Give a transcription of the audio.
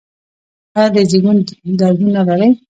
ایا د زیږون دردونه لرئ؟